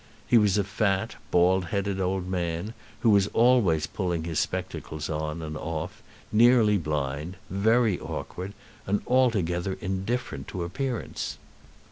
He was a fat, bald headed old man, who was always pulling his spectacles on and off, nearly blind, very awkward, and altogether indifferent to appearance.